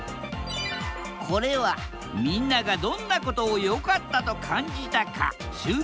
これはみんながどんなことを良かったと感じたか集計した結果。